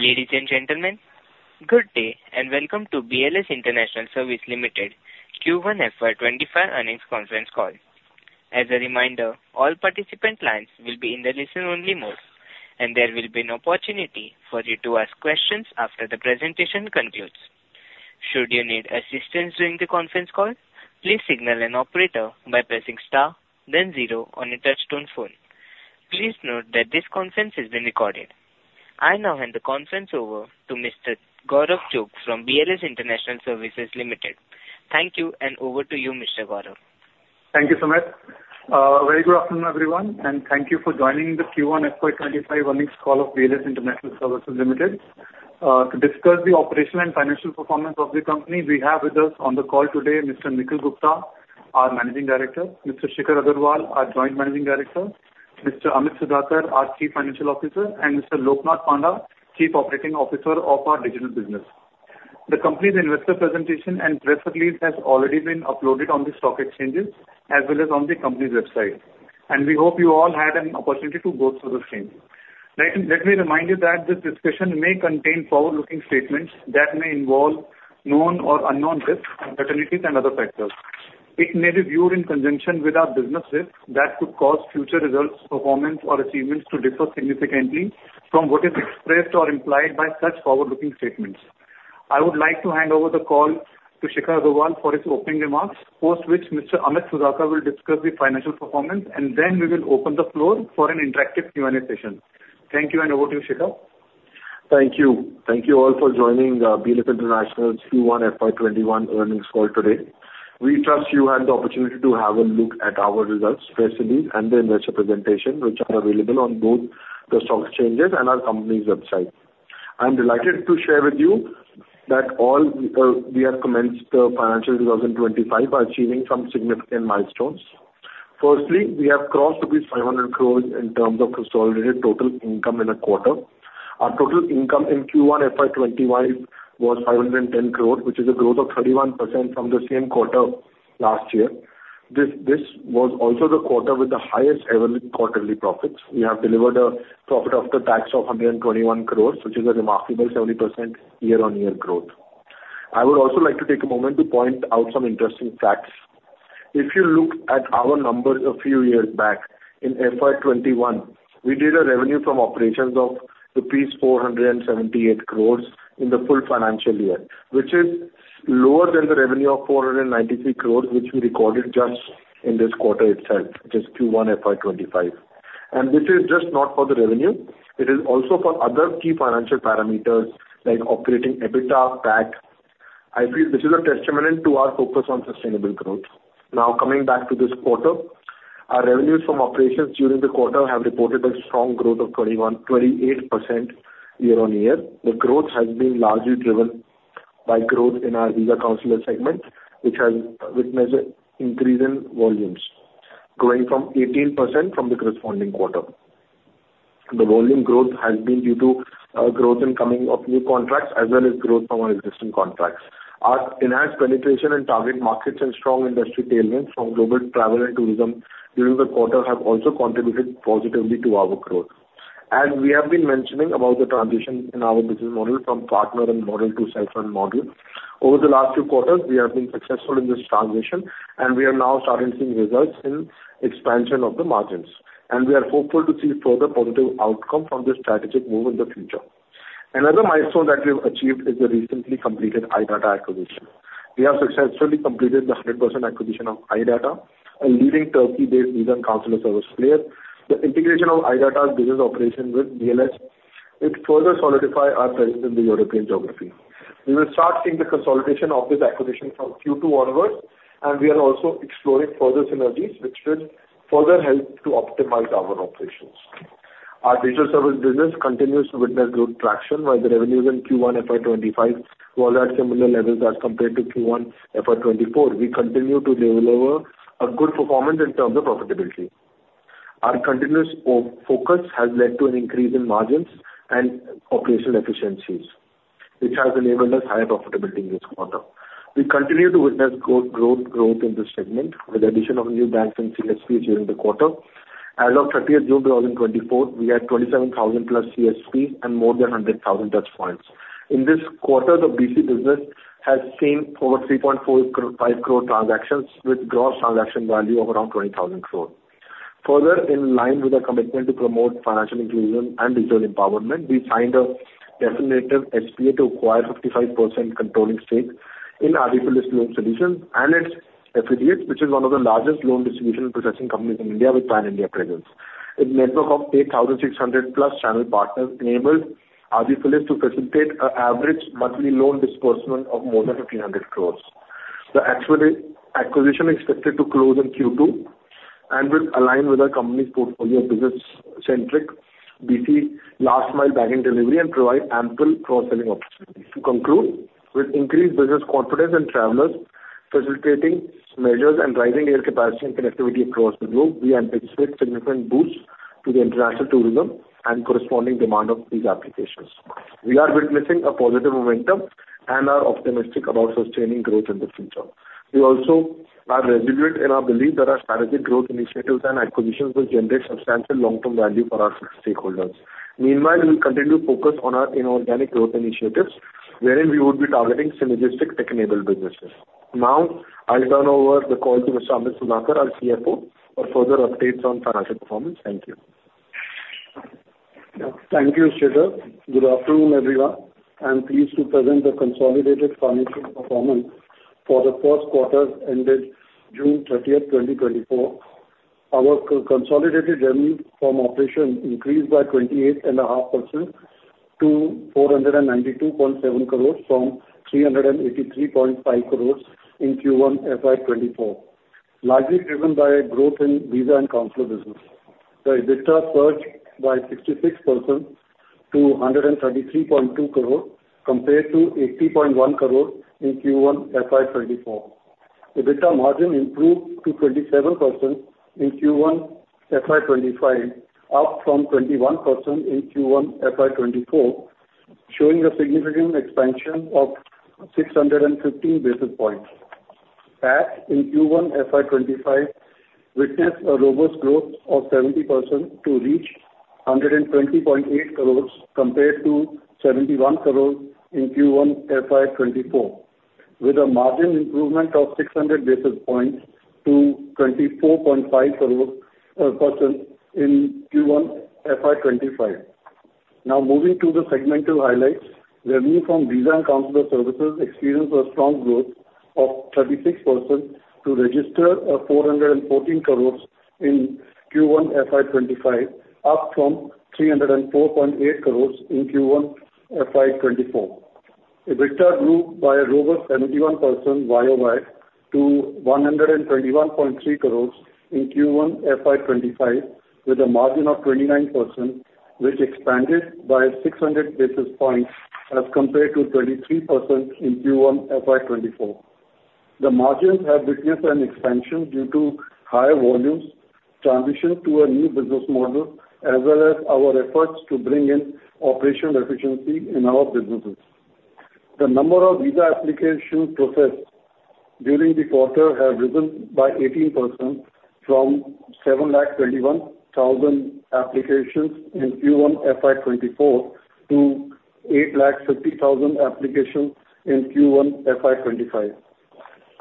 Ladies and gentlemen, good day and welcome to BLS International Services Limited Q1 FY25 Earnings Conference Call. As a reminder, all participant lines will be in the listen-only mode, and there will be an opportunity for you to ask questions after the presentation concludes. Should you need assistance during the conference call, please signal an operator by pressing star, then zero on a touch-tone phone. Please note that this conference has been recorded. I now hand the conference over to Mr. Gaurav Chugh from BLS International Services Limited. Thank you, and over to you, Mr. Gaurav. Thank you so much. Very good afternoon, everyone, and thank you for joining the Q1 FY25 earnings call of BLS International Services Limited. To discuss the operational and financial performance of the company, we have with us on the call today Mr. Nikhil Gupta, our Managing Director, Mr. Shikhar Aggarwal, our Joint Managing Director, Mr. Amit Sudhakar, our Chief Financial Officer, and Mr. Loknath Panda, Chief Operating Officer of our Digital Business. The company's investor presentation and press release has already been uploaded on the stock exchanges as well as on the company's website, and we hope you all had an opportunity to go through the same. Let me remind you that this discussion may contain forward-looking statements that may involve known or unknown risks, certainties, and other factors. It may be viewed in conjunction with our business risks that could cause future results, performance, or achievements to differ significantly from what is expressed or implied by such forward-looking statements. I would like to hand over the call to Shikhar Aggarwal for his opening remarks, post which Mr. Amit Sudhakar will discuss the financial performance, and then we will open the floor for an interactive Q&A session. Thank you, and over to you, Shikhar. Thank you. Thank you all for joining BLS International's Q1 FY25 earnings call today. We trust you had the opportunity to have a look at our results, press release, and the investor presentation, which are available on both the stock exchanges and our company's website. I'm delighted to share with you that we have commenced the financial year 2025 by achieving some significant milestones. Firstly, we have crossed the rupees 500 crores in terms of consolidated total income in a quarter. Our total income in Q1 FY25 was 510 crores, which is a growth of 31% from the same quarter last year. This was also the quarter with the highest ever quarterly profits. We have delivered a profit after tax of 121 crores, which is a remarkable 70% year-on-year growth. I would also like to take a moment to point out some interesting facts. If you look at our numbers a few years back, in FY21, we did a revenue from operations of rupees 478 crores in the full financial year, which is lower than the revenue of 493 crores, which we recorded just in this quarter itself, just Q1 FY25. And this is just not for the revenue. It is also for other key financial parameters like operating EBITDA, PAT. I feel this is a testament to our focus on sustainable growth. Now, coming back to this quarter, our revenues from operations during the quarter have reported a strong growth of 28% year-on-year. The growth has been largely driven by growth in our visa consular segment, which has witnessed an increase in volumes, going from 18% from the corresponding quarter. The volume growth has been due to growth in commencement of new contracts as well as growth from our existing contracts. Our enhanced penetration in target markets and strong industry tailwinds from global travel and tourism during the quarter have also contributed positively to our growth. As we have been mentioning about the transition in our business model from partnered model to self-run model, over the last few quarters, we have been successful in this transition, and we are now starting to see results in expansion of the margins. We are hopeful to see further positive outcomes from this strategic move in the future. Another milestone that we have achieved is the recently completed iDATA acquisition. We have successfully completed the 100% acquisition of iDATA, a leading Turkey-based visa counselor service player. The integration of iDATA's business operation with BLS, it further solidifies our presence in the European geography. We will start seeing the consolidation of this acquisition from Q2 onwards, and we are also exploring further synergies, which will further help to optimize our operations. Our digital service business continues to witness good traction, while the revenues in Q1 FY25 were at similar levels as compared to Q1 FY24. We continue to deliver a good performance in terms of profitability. Our continuous focus has led to an increase in margins and operational efficiencies, which has enabled us higher profitability in this quarter. We continue to witness growth in this segment with the addition of new banks and CSPs during the quarter. As of 30 June 2024, we had 27,000+ CSPs and more than 100,000 touchpoints. In this quarter, the BC business has seen over 3.5 crore transactions with gross transaction value of around 20,000 crore. Further, in line with our commitment to promote financial inclusion and digital empowerment, we signed a definitive SPA to acquire 55% controlling stake in Aadifidelis Solutions and its affiliates, which is one of the largest loan distribution and processing companies in India with pan-India presence. Its network of 8,600+ channel partners enables Aadifidelis Solutions to facilitate an average monthly loan disbursement of more than 1,500 crore. The acquisition is expected to close in Q2 and will align with our company's portfolio of business-centric BC last-mile banking delivery and provide ample cross-selling opportunities. To conclude, with increased business confidence and travelers facilitating measures and rising air capacity and connectivity across the globe, we anticipate significant boosts to the international tourism and corresponding demand of these applications. We are witnessing a positive momentum and are optimistic about sustaining growth in the future. We also are resilient in our belief that our strategic growth initiatives and acquisitions will generate substantial long-term value for our stakeholders. Meanwhile, we will continue to focus on our inorganic growth initiatives, wherein we would be targeting synergistic tech-enabled businesses. Now, I'll turn over the call to Mr. Amit Sudhakar, our CFO, for further updates on financial performance. Thank you. Thank you, Shikhar. Good afternoon, everyone. I'm pleased to present the consolidated financial performance for the first quarter ended June 30, 2024. Our consolidated revenue from operations increased by 28.5% to 492.7 crores from 383.5 crores in Q1 FY24, largely driven by growth in visa and consular business. The EBITDA surged by 66% to 133.2 crores, compared to 80.1 crores in Q1 FY24. EBITDA margin improved to 27% in Q1 FY25, up from 21% in Q1 FY24, showing a significant expansion of 615 basis points. PAT in Q1 FY25 witnessed a robust growth of 70% to reach 120.8 crores, compared to 71 crores in Q1 FY24, with a margin improvement of 600 basis points to 24.5% in Q1 FY25. Now, moving to the segmental highlights, revenue from visa and consular services experienced a strong growth of 36% to register 414 crores in Q1 FY25, up from 304.8 crores in Q1 FY24. EBITDA grew by a robust 71% YOY to 121.3 crores in Q1 FY25, with a margin of 29%, which expanded by 600 basis points as compared to 23% in Q1 FY24. The margins have witnessed an expansion due to higher volumes, transition to a new business model, as well as our efforts to bring in operational efficiency in our businesses. The number of visa applications processed during the quarter has risen by 18% from 721,000 applications in Q1 FY24 to 850,000 applications in Q1 FY25.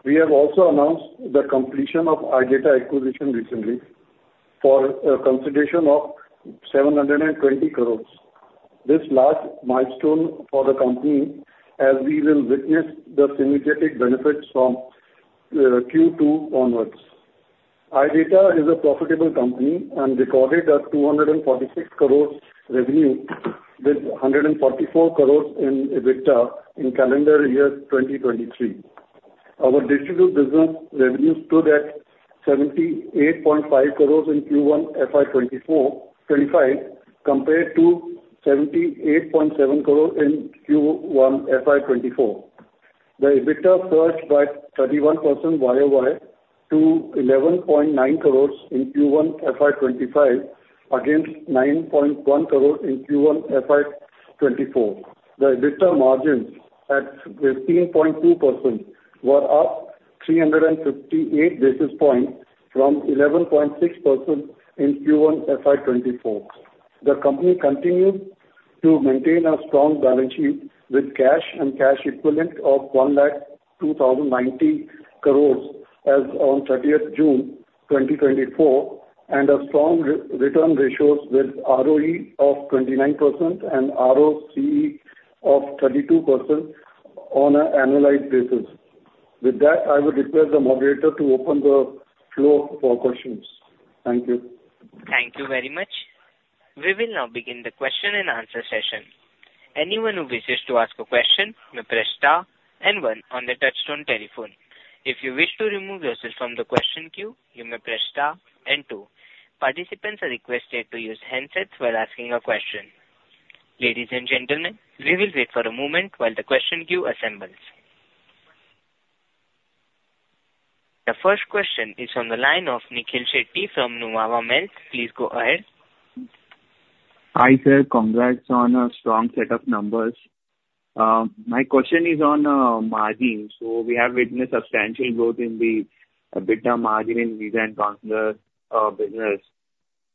We have also announced the completion of iDATA acquisition recently for a consideration of 720 crores. This is a large milestone for the company, as we will witness the synergetic benefits from Q2 onwards. iDATA is a profitable company and recorded 246 crores revenue with 144 crores in EBITDA in calendar year 2023. Our digital business revenues stood at 78.5 crores in Q1 FY25, compared to 78.7 crores in Q1 FY24. The EBITDA surged by 31% YOY to 11.9 crores in Q1 FY25, against 9.1 crores in Q1 FY24. The EBITDA margins at 15.2% were up 358 basis points from 11.6% in Q1 FY24. The company continued to maintain a strong balance sheet with cash and cash equivalent of 1,209 crores as of 30 June 2024, and strong return ratios with ROE of 29% and ROCE of 32% on an annualized basis. With that, I will request the moderator to open the floor for questions. Thank you. Thank you very much. We will now begin the question and answer session. Anyone who wishes to ask a question may press star and one on the touchtone telephone. If you wish to remove yourself from the question queue, you may press star and two. Participants are requested to use handsets while asking a question. Ladies and gentlemen, we will wait for a moment while the question queue assembles. The first question is from the line of Nikhil Shetty from Nuvama Wealth. Please go ahead. Hi sir, congrats on a strong set of numbers. My question is on margins. So we have witnessed substantial growth in the EBITDA margin in visa and consular business.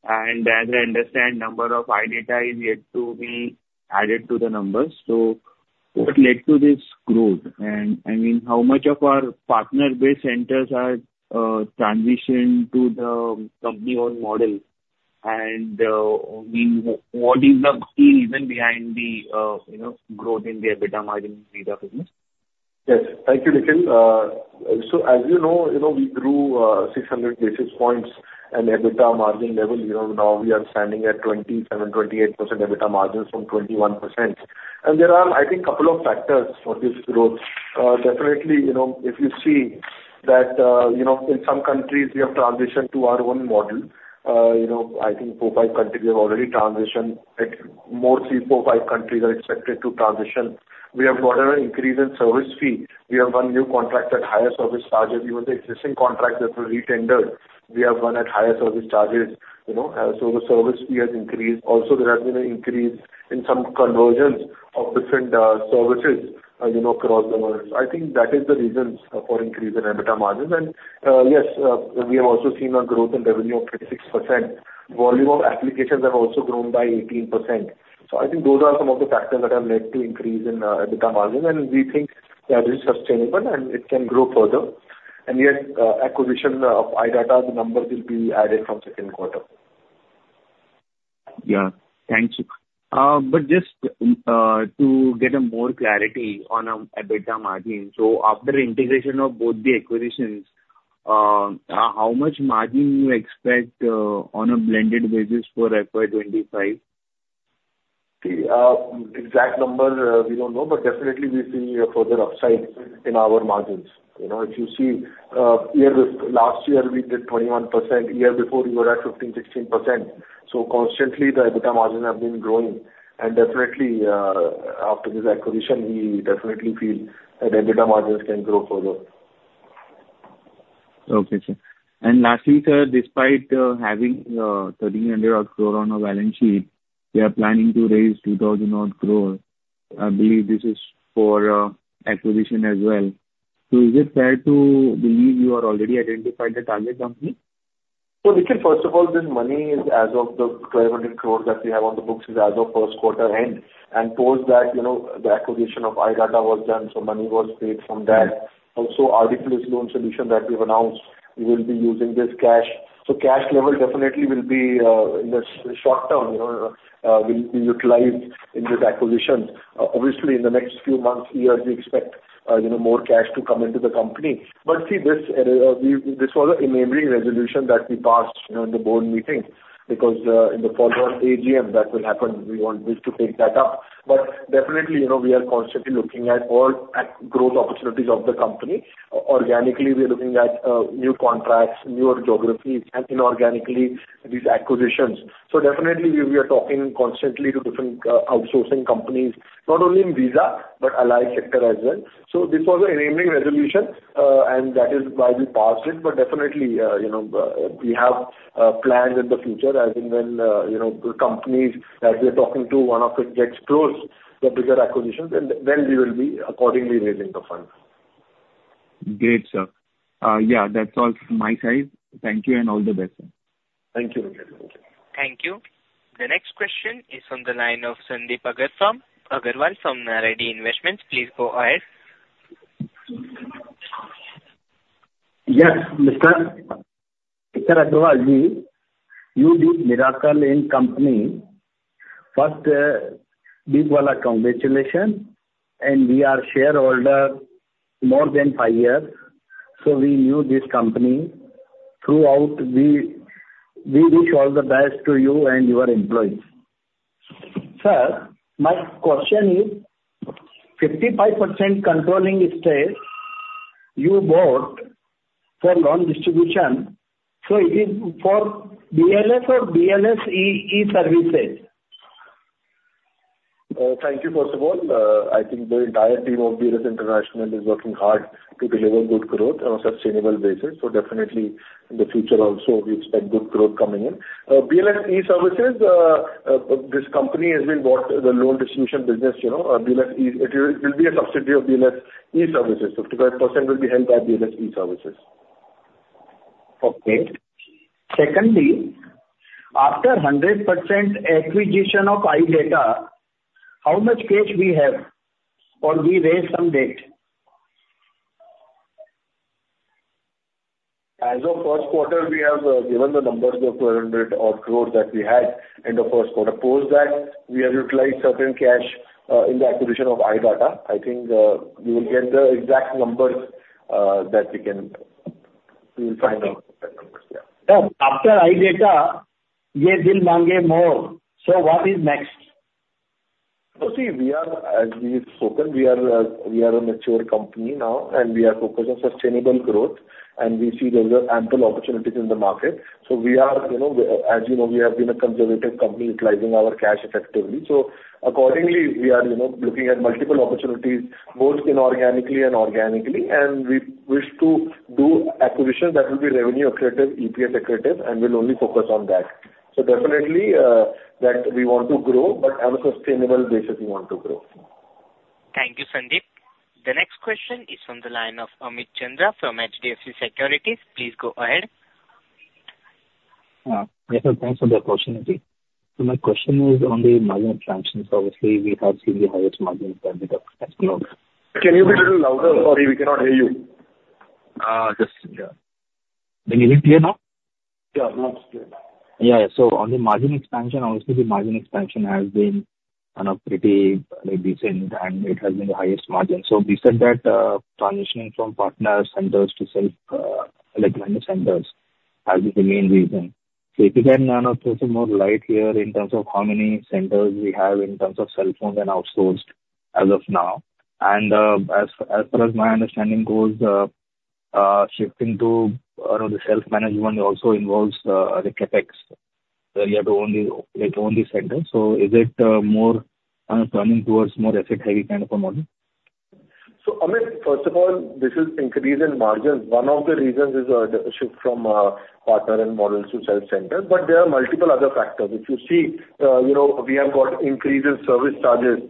And as I understand, the number of iDATA is yet to be added to the numbers. So what led to this growth? And I mean, how much of our partner-based centers are transitioned to the company-owned model? And I mean, what is the key reason behind the growth in the EBITDA margin in visa business? Yes, thank you, Nikhil. So as you know, we grew 600 basis points in EBITDA margin level. Now we are standing at 27%-28% EBITDA margins from 21%. And there are, I think, a couple of factors for this growth. Definitely, if you see that in some countries, we have transitioned to our own model. I think four or five countries have already transitioned. More three, four, five countries are expected to transition. We have gotten an increase in service fee. We have one new contract at higher service charges. Even the existing contract that was re-tendered, we have one at higher service charges. So the service fee has increased. Also, there has been an increase in some conversions of different services across the world. So I think that is the reasons for increase in EBITDA margins. And yes, we have also seen a growth in revenue of 56%. Volume of applications have also grown by 18%. I think those are some of the factors that have led to increase in EBITDA margins. We think that is sustainable, and it can grow further. Yes, acquisition of iDATA, the numbers will be added from second quarter. Yeah, thank you. But just to get more clarity on EBITDA margins, so after integration of both the acquisitions, how much margin do you expect on a blended basis for FY25? The exact number, we don't know, but definitely, we see a further upside in our margins. If you see, last year, we did 21%. The year before, we were at 15%-16%. Constantly, the EBITDA margins have been growing. Definitely, after this acquisition, we definitely feel that EBITDA margins can grow further. Okay, sir. And lastly, sir, despite having 1,300 crore on a balance sheet, we are planning to raise 2,000 crore. I believe this is for acquisition as well. So is it fair to believe you have already identified the target company? Well, Nikhil, first of all, this money is as of the 1,200 crore that we have on the books as of first quarter end. Post that, the acquisition of iDATA was done, so money was paid from that. Also, Aadifidelis loan solution that we've announced, we will be using this cash. So cash level definitely will be, in the short term, will be utilized in this acquisition. Obviously, in the next few months, years, we expect more cash to come into the company. But see, this was an enabling resolution that we passed in the board meeting because in the follow-up AGM, that will happen. We want this to take that up. But definitely, we are constantly looking at all growth opportunities of the company. Organically, we are looking at new contracts, newer geographies, and inorganically, these acquisitions. So definitely, we are talking constantly to different outsourcing companies, not only in visa, but allied sector as well. So this was an enabling resolution, and that is why we passed it. But definitely, we have plans in the future, as in when the companies that we are talking to, one of them gets close, the bigger acquisitions, then we will be accordingly raising the funds. Great, sir. Yeah, that's all from my side. Thank you, and all the best, sir. Thank you, Nikhil. Thank you. Thank you. The next question is from the line of Sandeep Agarwal from Narayani Investment. Please go ahead. Yes, Mr. Agarwal, you did miracle in company. First, big well of congratulations. We are shareholders more than five years. So we knew this company throughout. We wish all the best to you and your employees. Sir, my question is, 55% controlling stake you bought for loan distribution. So it is for BLS or BLS E-Services? Thank you, first of all. I think the entire team of BLS International is working hard to deliver good growth on a sustainable basis. So definitely, in the future also, we expect good growth coming in. BLS E-Services, this company has been bought the loan distribution business. It will be a subsidiary of BLS E-Services. 55% will be held by BLS E-Services. Okay. Secondly, after 100% acquisition of iDATA, how much cash do we have? Or we raise some debt? As of first quarter, we have given the numbers of 1,200 crores that we had end of first quarter. Post that, we have utilized certain cash in the acquisition of iDATA. I think we will get the exact numbers that we can find out. After iDATA, you didn't want more. So what is next? So see, as we've spoken, we are a mature company now, and we are focused on sustainable growth. And we see there are ample opportunities in the market. So as you know, we have been a conservative company utilizing our cash effectively. So accordingly, we are looking at multiple opportunities, both inorganically and organically. And we wish to do acquisitions that will be revenue-accretive, EPS-accretive, and will only focus on that. So definitely, we want to grow, but on a sustainable basis, we want to grow. Thank you, Sandeep. The next question is from the line of Amit Chandra from HDFC Securities. Please go ahead. Yes, sir, thanks for the opportunity. So my question is on the margin of transition. Obviously, we have seen the highest margin EBITDA. Can you be a little louder? Sorry, we cannot hear you. Just. Can you hear me clear now? Yeah, now it's clear. Yeah, so on the margin expansion, obviously, the margin expansion has been pretty decent, and it has been the highest margin. So we said that transitioning from partner centers to self-managed centers has been the main reason. So if you can put some more light here in terms of how many centers we have in terms of self-owned and outsourced as of now. And as far as my understanding goes, shifting to the self-management also involves the CapEx. So you have to own these centers. So is it more turning towards more asset-heavy kind of a model? So Amit, first of all, this is increase in margins. One of the reasons is a shift from partner and model to self-center. But there are multiple other factors. If you see, we have got increase in service charges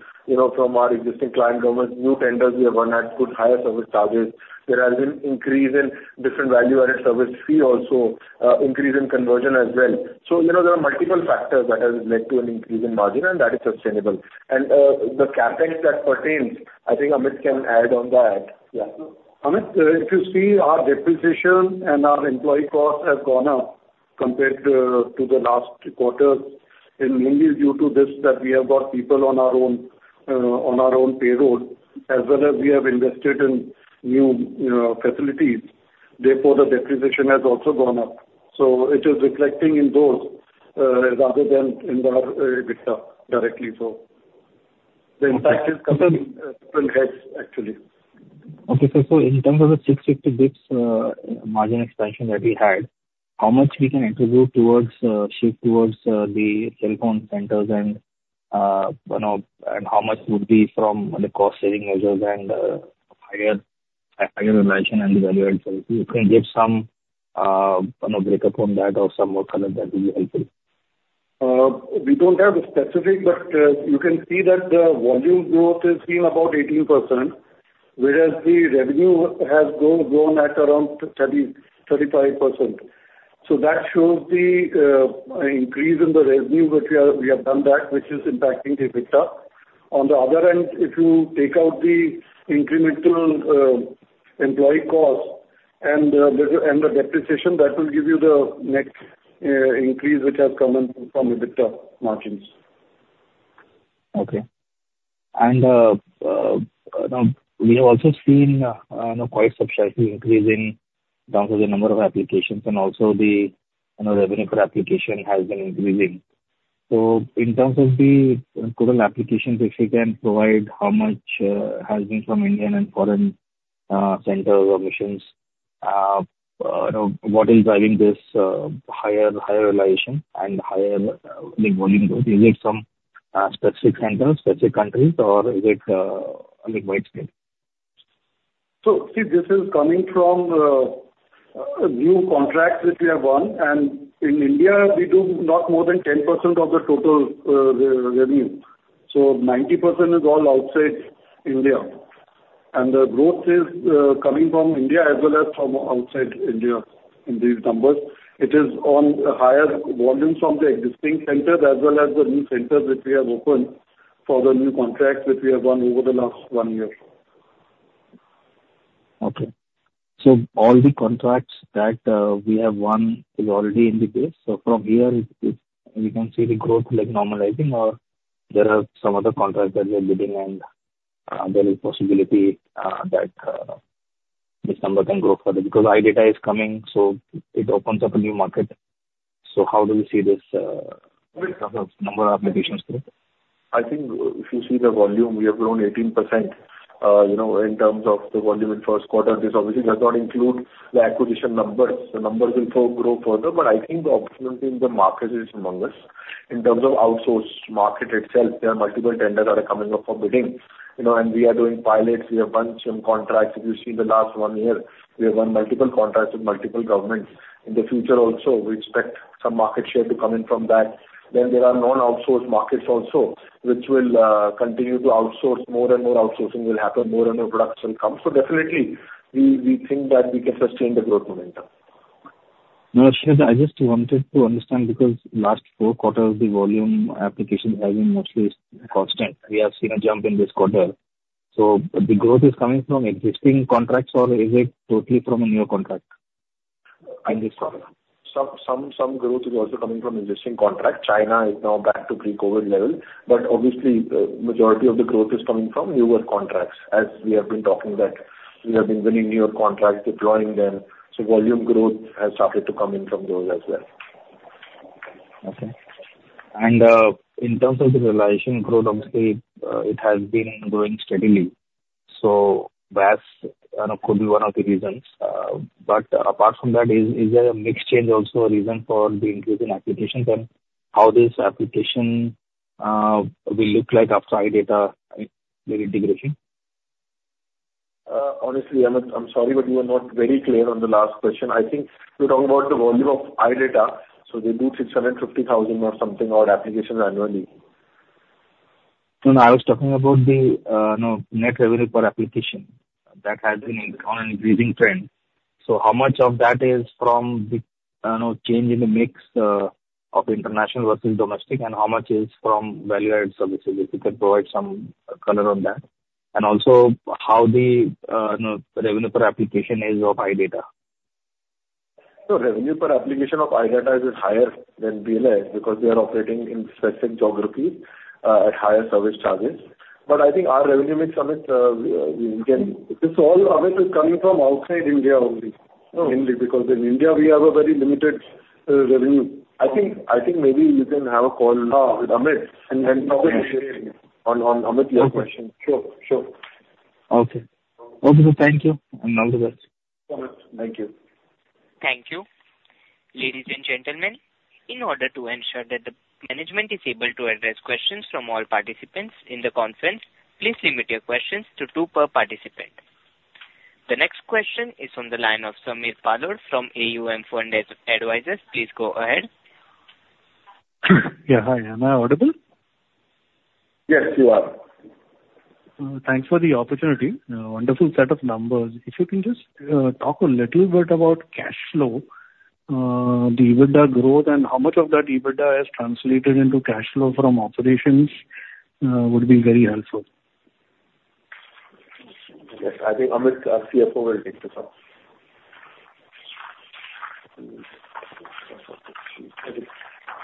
from our existing client government. New tenders, we have run at good higher service charges. There has been increase in different value-added service fee also, increase in conversion as well. So there are multiple factors that have led to an increase in margin, and that is sustainable. And the CapEx that pertains, I think Amit can add on that. Yeah. Amit, if you see, our depreciation and our employee costs have gone up compared to the last quarter. And mainly due to this that we have got people on our own payroll, as well as we have invested in new facilities, therefore the depreciation has also gone up. So it is reflecting in those rather than in our EBITDA directly. So the impact is coming to different heads, actually. Okay, sir. So in terms of the 650 margin expansion that we had, how much we can attribute towards shift towards the CSP-owned centers and how much would be from the cost-saving measures and higher margin and the value-added service? You can give some breakup on that or some more color that would be helpful. We don't have a specific, but you can see that the volume growth has been about 18%, whereas the revenue has grown at around 35%. So that shows the increase in the revenue that we have done that, which is impacting the EBITDA. On the other hand, if you take out the incremental employee costs and the depreciation, that will give you the net increase which has come from EBITDA margins. Okay. We have also seen quite substantial increase in terms of the number of applications and also the revenue per application has been increasing. So in terms of the total applications, if you can provide how much has been from Indian and foreign centers or missions, what is driving this higher realization and higher volume growth? Is it some specific centers, specific countries, or is it a wide scale? So see, this is coming from new contracts that we have won. In India, we do not more than 10% of the total revenue. 90% is all outside India. The growth is coming from India as well as from outside India in these numbers. It is on higher volumes from the existing centers as well as the new centers that we have opened for the new contracts that we have done over the last one year. Okay. So all the contracts that we have won is already in the base. So from here, we can see the growth normalizing or there are some other contracts that we are getting and there is a possibility that this number can grow further because iDATA is coming, so it opens up a new market. So how do we see this in terms of number of applications? I think if you see the volume, we have grown 18% in terms of the volume in first quarter. This obviously does not include the acquisition numbers. The numbers will grow further, but I think the opportunity in the market is among us. In terms of outsourced market itself, there are multiple tenders that are coming up for bidding. We are doing pilots. We have won some contracts. If you see the last one year, we have won multiple contracts with multiple governments. In the future also, we expect some market share to come in from that. Then there are non-outsourced markets also, which will continue to outsource more and more outsourcing will happen, more and more products will come. So definitely, we think that we can sustain the growth momentum. No, sir, I just wanted to understand because last four quarters, the volume applications have been mostly constant. We have seen a jump in this quarter. So the growth is coming from existing contracts or is it totally from a new contract in this quarter? Some growth is also coming from existing contracts. China is now back to pre-COVID level. But obviously, the majority of the growth is coming from newer contracts. As we have been talking that we have been winning newer contracts, deploying them. So volume growth has started to come in from those as well. Okay. And in terms of the realization growth, obviously, it has been growing steadily. So BLS could be one of the reasons. But apart from that, is there a mixed change also a reason for the increase in applications and how this application will look like after iDATA integration? Honestly, Amit, I'm sorry, but you were not very clear on the last question. I think we're talking about the volume of iDATA. So they do 650,000 or something odd applications annually. No, no. I was talking about the net revenue per application that has been on an increasing trend. So how much of that is from the change in the mix of international versus domestic, and how much is from Value-Added Services? If you can provide some color on that. Also how the revenue per application is of iDATA? So revenue per application of iDATA is higher than BLS because we are operating in specific geographies at higher service charges. But I think our revenue mix, Amit, is coming from outside India only. Because in India, we have a very limited revenue. I think maybe you can have a call with Amit and talk on Amit's question. Sure, sure. Okay. Okay, sir. Thank you. And all the best. Thank you. Thank you. Ladies and gentlemen, in order to ensure that the management is able to address questions from all participants in the conference, please limit your questions to two per participant. The next question is from the line of Samir Palod from AUM Fund Advisors. Please go ahead. Yeah, hi. Am I audible? Yes, you are. Thanks for the opportunity. Wonderful set of numbers. If you can just talk a little bit about cash flow, the EBITDA growth, and how much of that EBITDA has translated into cash flow from operations would be very helpful. Yes, I think Amit's CFO will take this up.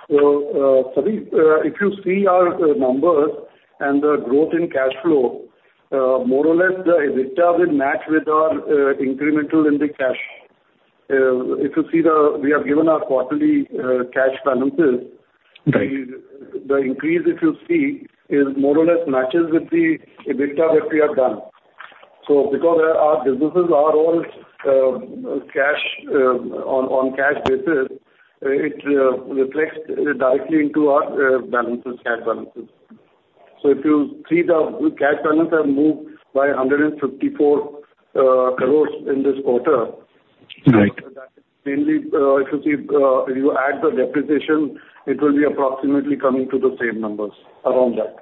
So if you see our numbers and the growth in cash flow, more or less the EBITDA will match with our incremental in the cash. If you see, we have given our quarterly cash balances. The increase, if you see, is more or less matches with the EBITDA that we have done. So because our businesses are all on cash basis, it reflects directly into our balances, cash balances. So if you see the cash balance has moved by 154 crore in this quarter, that is mainly. If you see, if you add the depreciation, it will be approximately coming to the same numbers around that.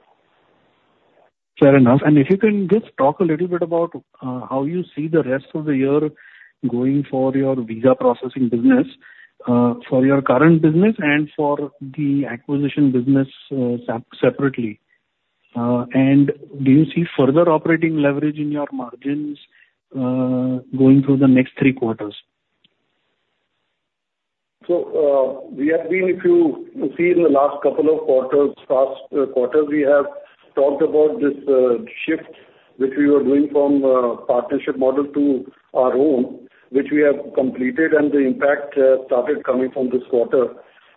Fair enough. If you can just talk a little bit about how you see the rest of the year going for your visa processing business, for your current business and for the acquisition business separately. Do you see further operating leverage in your margins going through the next three quarters? So, we have been, if you see, in the last couple of quarters, past quarters, we have talked about this shift which we were doing from partnership model to our own, which we have completed, and the impact started coming from this quarter.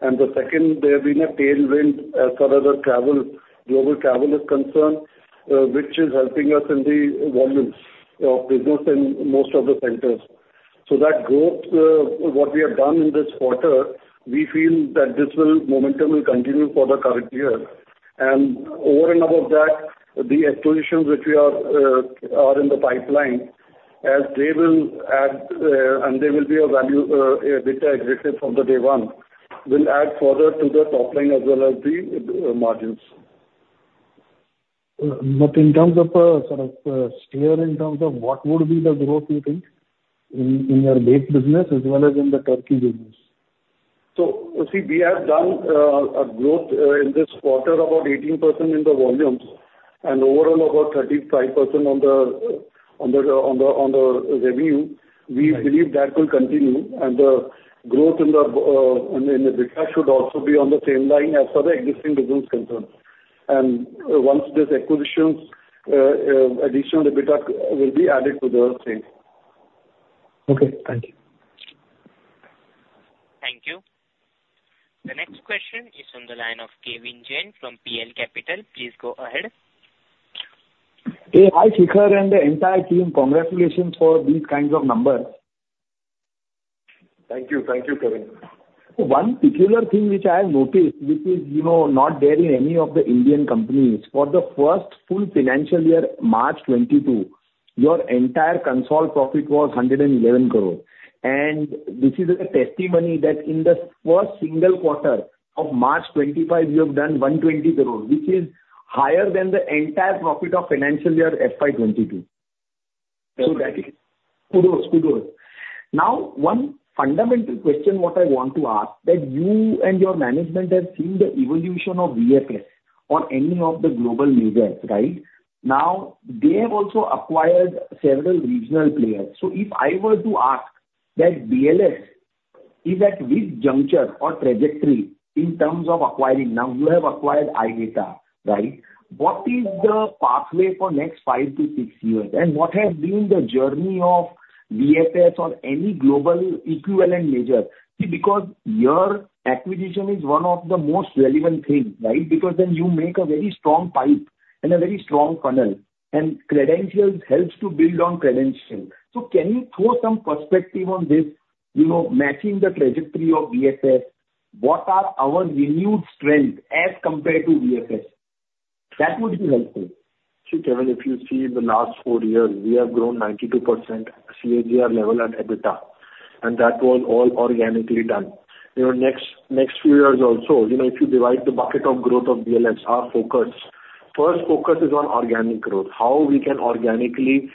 And second, there has been a tailwind as far as the global travel is concerned, which is helping us in the volume of business in most of the centers. So, that growth, what we have done in this quarter, we feel that this momentum will continue for the current year. And over and above that, the acquisitions which we are in the pipeline, as they will add, and there will be a value-added exit from the day one, will add further to the top line as well as the margins. In terms of sort of scale, in terms of what would be the growth, you think, in your base business as well as in the Turkey business? So, see, we have done a growth in this quarter of about 18% in the volumes and overall about 35% on the revenue. We believe that will continue. The growth in the EBITDA should also be on the same line as for the existing business concerns. Once this acquisitions, additional EBITDA will be added to the same. Okay. Thank you. Thank you. The next question is from the line of Kevin Jain from PL Capital. Please go ahead. Hey, hi, Shikhar and the entire team. Congratulations for these kinds of numbers. Thank you. Thank you, Kevin. One particular thing which I have noticed, which is not there in any of the Indian companies, for the first full financial year, March 2022, your entire consolidated profit was 111 crores. And this is a testimony that in the first single quarter of March 2025, you have done 120 crores, which is higher than the entire profit of financial year FY22. So that is kudos, kudos. Now, one fundamental question what I want to ask that you and your management have seen the evolution of VFS or any of the global majors, right? Now, they have also acquired several regional players. So if I were to ask that BLS is at which juncture or trajectory in terms of acquiring? Now, you have acquired iDATA, right? What is the pathway for next 5 to 6 years? And what has been the journey of VFS or any global equivalent major? See, because your acquisition is one of the most relevant things, right? Because then you make a very strong pipe and a very strong funnel, and credentials helps to build on credentials. So can you throw some perspective on this, matching the trajectory of VFS? What are our renewed strengths as compared to VFS? That would be helpful. See, Kevin, if you see in the last four years, we have grown 92% CAGR level at EBITDA. That was all organically done. Next few years also, if you divide the bucket of growth of BLS, our focus, first focus is on organic growth, how we can organically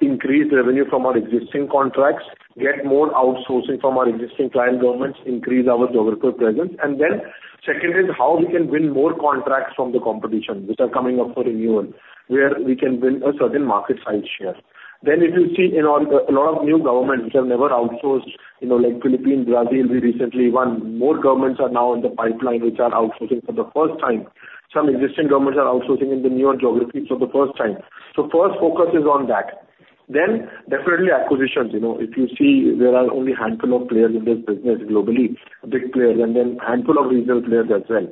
increase revenue from our existing contracts, get more outsourcing from our existing client governments, increase our geographical presence. Then second is how we can win more contracts from the competition, which are coming up for renewal, where we can win a certain market size share. If you see a lot of new governments which have never outsourced, like Philippines, Brazil, we recently won. More governments are now in the pipeline which are outsourcing for the first time. Some existing governments are outsourcing in the newer geographies for the first time. So first focus is on that. Then definitely acquisitions. If you see, there are only a handful of players in this business globally, big players, and then a handful of regional players as well.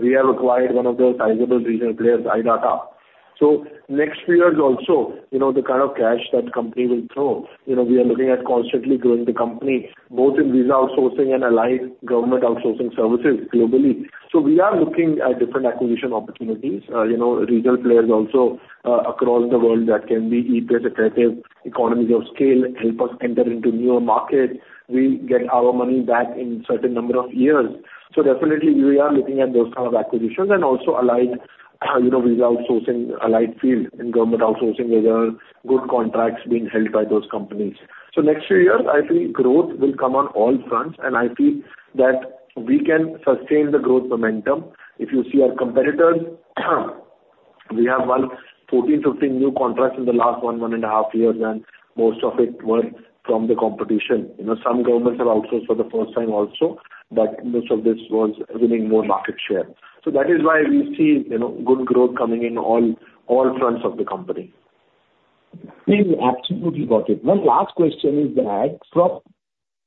We have acquired one of the sizable regional players, iDATA. Next few years also, the kind of cash that the company will throw, we are looking at constantly growing the company, both in visa outsourcing and allied government outsourcing services globally. We are looking at different acquisition opportunities, regional players also across the world that can be either successive economies of scale, help us enter into newer markets. We get our money back in a certain number of years. Definitely, we are looking at those kind of acquisitions and also allied visa outsourcing, allied field in government outsourcing, where there are good contracts being held by those companies. Next few years, I think growth will come on all fronts, and I think that we can sustain the growth momentum. If you see our competitors, we have about 14, 15 new contracts in the last one and a half years, and most of it were from the competition. Some governments have outsourced for the first time also, but most of this was winning more market share. That is why we see good growth coming in all fronts of the company. We have absolutely got it. One last question is that from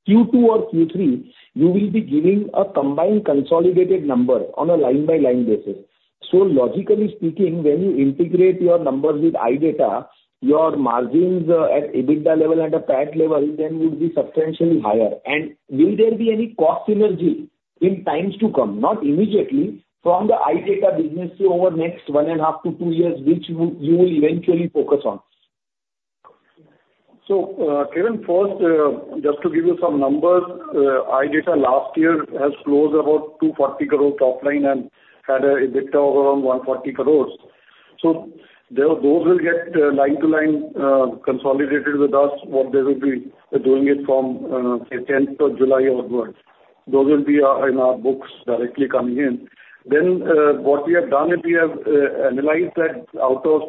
Q2 or Q3, you will be giving a combined consolidated number on a line-by-line basis. So logically speaking, when you integrate your numbers with iDATA, your margins at EBITDA level and at PAT level then would be substantially higher. And will there be any cost synergy in times to come, not immediately, from the iDATA business over next one and a half to two years, which you will eventually focus on? So, Kevin, first, just to give you some numbers, iDATA last year has closed about 240 crores top line and had an EBITDA of around 140 crores. So those will get line to line consolidated with us, what they will be doing it from 10th of July onwards. Those will be in our books directly coming in. Then what we have done is we have analyzed that out of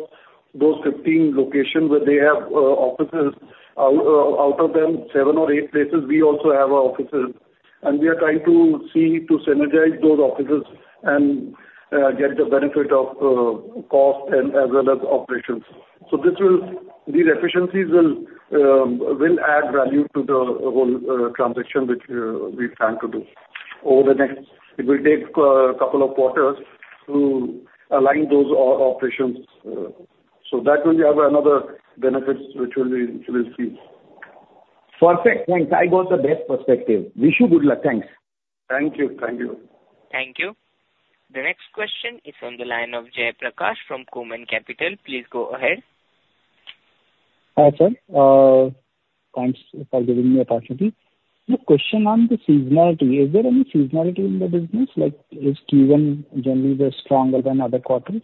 those 15 locations where they have offices, out of them seven or eight places, we also have offices. And we are trying to see to synergize those offices and get the benefit of cost as well as operations. So these efficiencies will add value to the whole transaction which we plan to do over the next; it will take a couple of quarters to align those operations. So that will have another benefits which we will see. Perfect. Thanks. I got the best perspective. Wish you good luck. Thanks. Thank you. Thank you. Thank you. The next question is from the line of Jayprakash from Karma Capital. Please go ahead. Hi sir. Thanks for giving me the opportunity. The question on the seasonality, is there any seasonality in the business? Is Q1 generally stronger than other quarters?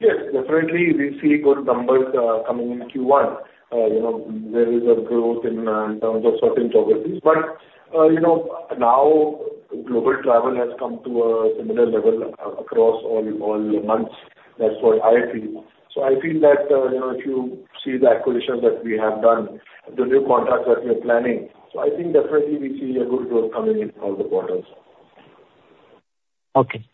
Yes, definitely. We see good numbers coming in Q1. There is a growth in terms of certain geographies. But now global travel has come to a similar level across all months, that's what I see. So I think that if you see the acquisitions that we have done, the new contracts that we are planning, so I think definitely we see a good growth coming in all the quarters. Okay.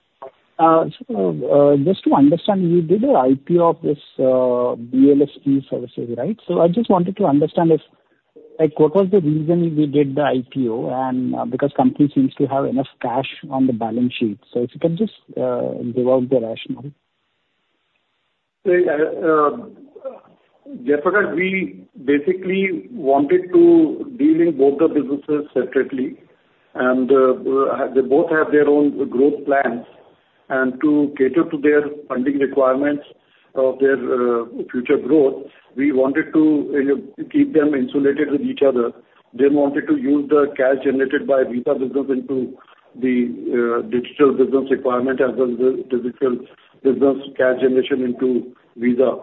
So just to understand, you did an IPO of this BLS E-Services, right? So I just wanted to understand what was the reason you did the IPO and because the company seems to have enough cash on the balance sheet. So if you can just give out the rationale. So Jayaprakash, we basically wanted to deal in both the businesses separately, and they both have their own growth plans. To cater to their funding requirements of their future growth, we wanted to keep them insulated with each other. We wanted to use the cash generated by visa business into the digital business requirement as well as the digital business cash generation into visa.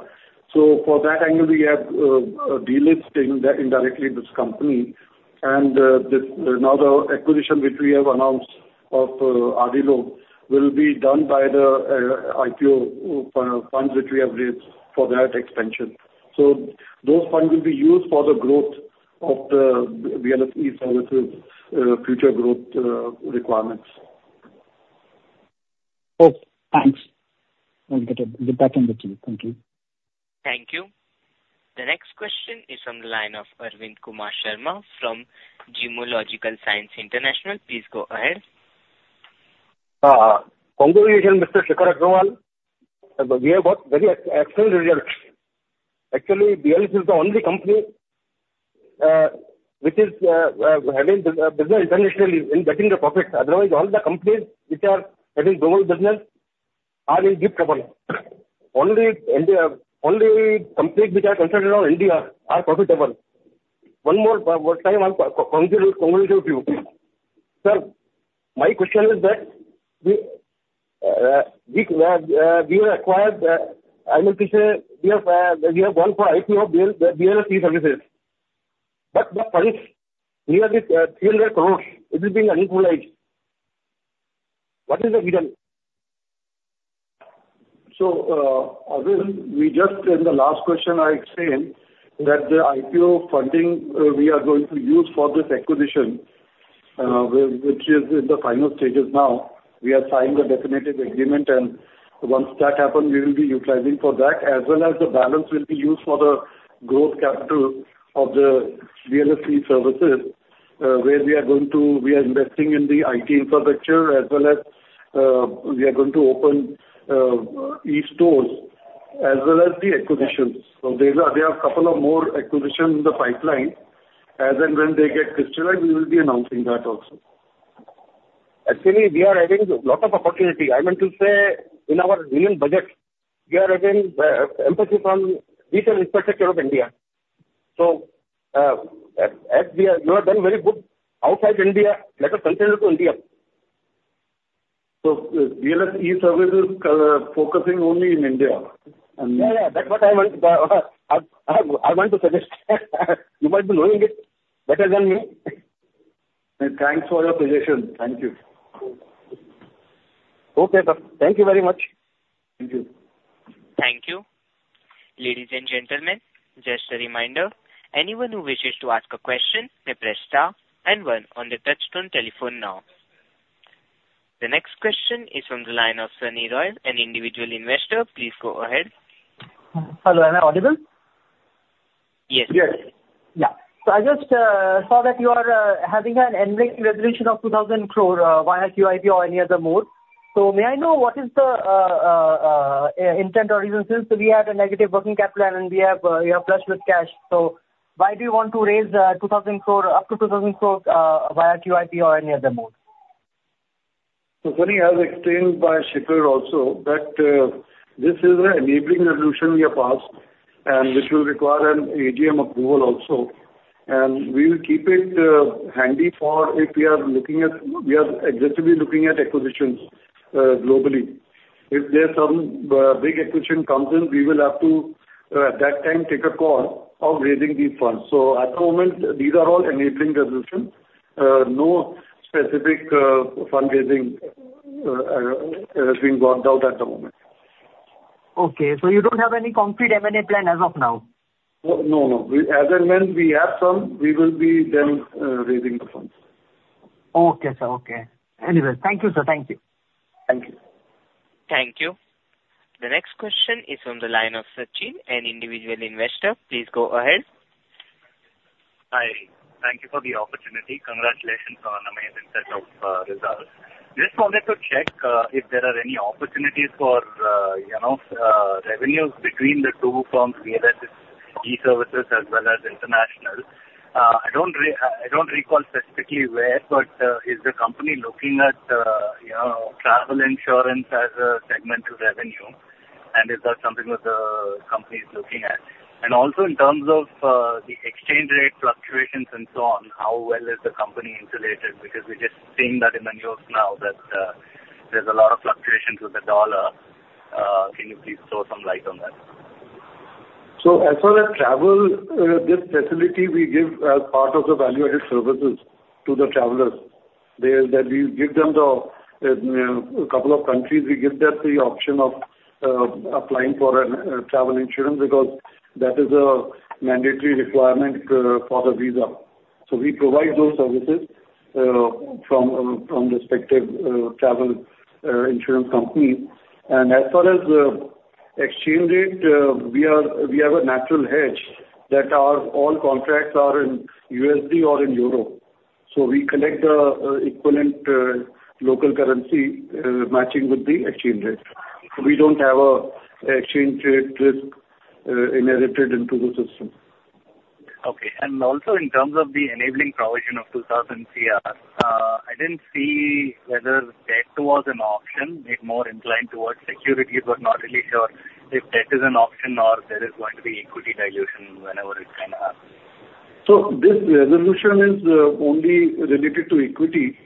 So for that angle, we have delisted indirectly this company. And now the acquisition which we have announced of iDATA will be done by the IPO funds which we have raised for that expansion. So those funds will be used for the growth of the BLS E-Services future growth requirements. Okay. Thanks. I'll get back in the team. Thank you. Thank you. The next question is from the line of Arvind Kumar Sharma from Geojit Financial Services. Please go ahead. Congratulations, Mr. Shikhar Aggarwal. We have got very excellent results. Actually, BLS is the only company which is having business internationally in getting the profits. Otherwise, all the companies which are having global business are in deep trouble. Only companies which are concentrated on India are profitable. One more time, I'll congratulate you. Sir, my question is that we have acquired, I mean, we have gone for IPO, BLS E-Services, but the funds near this INR 300 crore is being unutilized. What is the reason? So Arvind, we just in the last question, I explained that the IPO funding we are going to use for this acquisition, which is in the final stages now. We are signing the definitive agreement, and once that happens, we will be utilizing for that, as well as the balance will be used for the growth capital of the BLS E-Services, where we are going to be investing in the IT infrastructure, as well as we are going to open e-stores, as well as the acquisitions. So there are a couple of more acquisitions in the pipeline. As and when they get crystallized, we will be announcing that also. Actually, we are having a lot of opportunity. I mean, to say in our Union Budget, we are having emphasis on regional infrastructure of India. So you have done very good outside India, better concentrate on India. So BLS E-Services focusing only in India. And. Yeah, yeah. That's what I want to suggest. You might be knowing it better than me. Thanks for your suggestion. Thank you. Okay, sir. Thank you very much. Thank you. Thank you. Ladies and gentlemen, just a reminder, anyone who wishes to ask a question may press star and one on the touch-tone telephone now. The next question is from the line of Sunny Goyal, an individual investor. Please go ahead. Hello. Am I audible? Yes. Yes. Yeah. So I just saw that you are having an ending resolution of 2,000 crore via QIP or any other mode. So may I know what is the intent or reason since we had a negative working capital and we are flush with cash? So why do you want to raise 2,000 crore up to 2,000 crore via QIP or any other mode? So, Sunny has explained, by Shikhar also, that this is an enabling resolution we have passed and which will require an AGM approval also. We will keep it handy for if we are actively looking at acquisitions globally. If there's some big acquisition comes in, we will have to, at that time, take a call of raising these funds. So, at the moment, these are all enabling resolutions. No specific fundraising has been worked out at the moment. Okay. So you don't have any concrete M&A plan as of now? No, no. As and when we have some, we will be then raising the funds. Okay, sir. Okay. Anyway, thank you, sir. Thank you. Thank you. Thank you. The next question is from the line of Sachin, an individual investor. Please go ahead. Hi. Thank you for the opportunity. Congratulations on an amazing set of results. Just wanted to check if there are any opportunities for revenues between the two firms, BLS E-Services as well as International. I don't recall specifically where, but is the company looking at travel insurance as a segmental revenue? And is that something that the company is looking at? And also in terms of the exchange rate fluctuations and so on, how well is the company insulated? Because we're just seeing that in the news now that there's a lot of fluctuations with the dollar. Can you please throw some light on that? So as far as travel, this facility we give as part of the value-added services to the travelers. That we give them the couple of countries, we give them the option of applying for a travel insurance because that is a mandatory requirement for the visa. So we provide those services from respective travel insurance companies. And as far as exchange rate, we have a natural hedge that all contracts are in USD or in euro. So we collect the equivalent local currency matching with the exchange rate. So we don't have an exchange rate risk inherited into the system. Okay. And also in terms of the enabling provision of 2,000 crore, I didn't see whether debt was an option. More inclined towards security, but not really sure if debt is an option or there is going to be equity dilution whenever it can happen. So this resolution is only related to equity.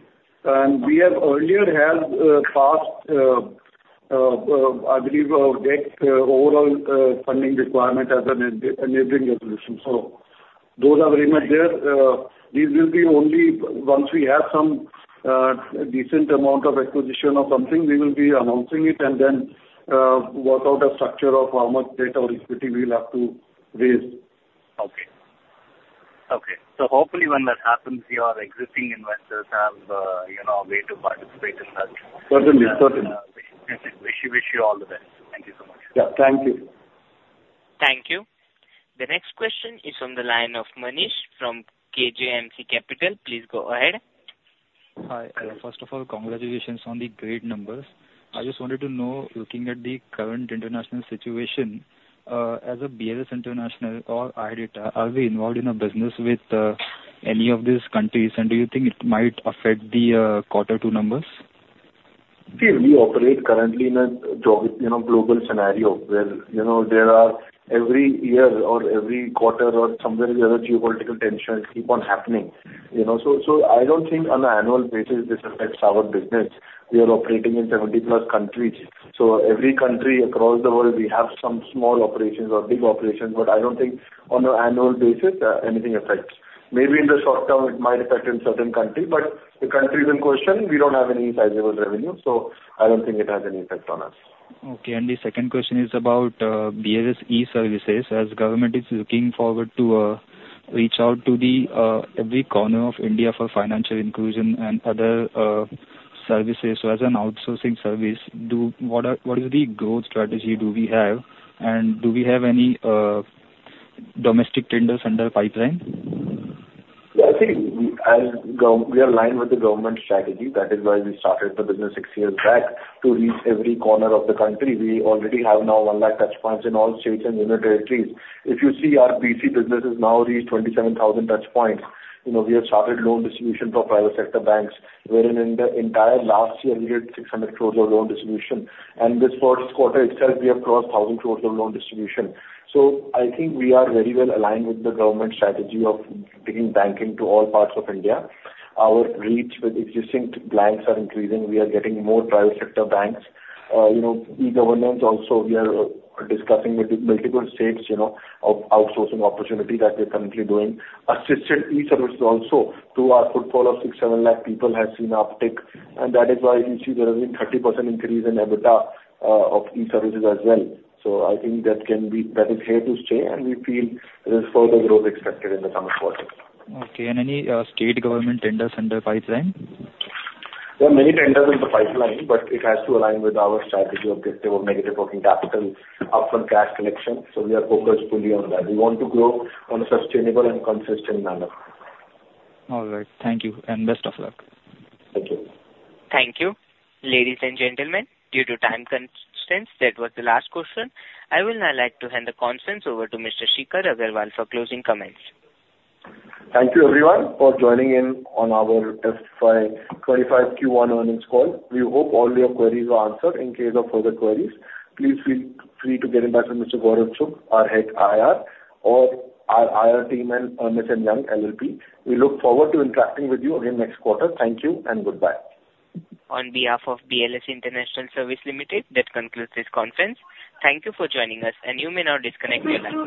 And we have earlier had past, I believe, debt overall funding requirement as an enabling resolution. So those are very much there. These will be only once we have some decent amount of acquisition of something, we will be announcing it and then work out a structure of how much debt or equity we'll have to raise. Okay. Okay. So hopefully when that happens, your existing investors have a way to participate in that. Certainly, certainly. Wish you all the best. Thank you so much. Yeah. Thank you. Thank you. The next question is from the line of Manish from KJMC Capital. Please go ahead. Hi. First of all, congratulations on the great numbers. I just wanted to know, looking at the current international situation, as a BLS International or iDATA, are we involved in a business with any of these countries? And do you think it might affect the quarter two numbers? We operate currently in a global scenario where there are every year or every quarter or somewhere in the other geopolitical tensions keep on happening. So I don't think on an annual basis this affects our business. We are operating in 70+ countries. So every country across the world, we have some small operations or big operations, but I don't think on an annual basis anything affects. Maybe in the short term, it might affect in certain countries, but the countries in question, we don't have any sizable revenue. So I don't think it has any effect on us. Okay. The second question is about BLS services. As government is looking forward to reach out to every corner of India for financial inclusion and other services, so as an outsourcing service, what is the growth strategy do we have? And do we have any domestic tenders in the pipeline? Yeah. I think we are aligned with the government strategy. That is why we started the business six years back to reach every corner of the country. We already have now 100,000 touchpoints in all states and union territories. If you see our BC businesses now reach 27,000 touchpoints, we have started loan distribution for private sector banks, wherein in the entire last year, we did 600 crore of loan distribution. And this first quarter itself, we have crossed 1,000 crore of loan distribution. So I think we are very well aligned with the government strategy of bringing banking to all parts of India. Our reach with existing banks are increasing. We are getting more private sector banks. E-governance also, we are discussing with multiple states of outsourcing opportunity that we're currently doing. Assisted e-services also, through our portfolio of 600,000-700,000 people, has seen uptick. And that is why you see there has been a 30% increase in EBITDA of e-services as well. So I think that is here to stay, and we feel there is further growth expected in the coming quarter. Okay. And any state government tenders in the pipeline? There are many tenders in the pipeline, but it has to align with our strategy objective of negative working capital upfront cash collection. So we are focused fully on that. We want to grow on a sustainable and consistent manner. All right. Thank you. Best of luck. Thank you. Thank you. Ladies and gentlemen, due to time constraints, that was the last question. I will now like to hand the conference over to Mr. Shikhar Aggarwal for closing comments. Thank you, everyone, for joining in on our Q1 FY25 earnings call. We hope all your queries were answered. In case of further queries, please feel free to get in touch with Mr. Gaurav Chugh, our head IR, or our IR team and Ernst & Young LLP. We look forward to interacting with you again next quarter. Thank you and goodbye. On behalf of BLS International Services Limited, that concludes this conference. Thank you for joining us, and you may now disconnect your line.